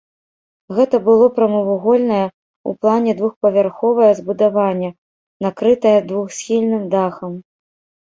Гэта было прамавугольнае ў плане двухпавярховае збудаванне, накрытае двухсхільным дахам.